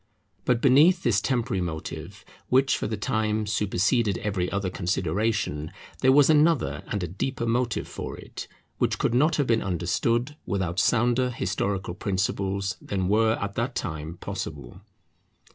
But beneath this temporary motive, which for the time superseded every other consideration, there was another and a deeper motive for it, which could not have been understood without sounder historical principles than were at that time possible.